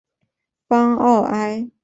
邦奥埃。